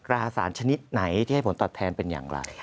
ราสารชนิดไหนที่ให้ผลตอบแทนเป็นอย่างไร